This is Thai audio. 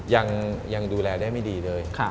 ยังดูแลได้ไม่ดีเลย